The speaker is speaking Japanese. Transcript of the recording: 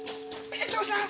江藤さん